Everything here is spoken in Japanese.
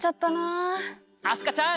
明日香ちゃん！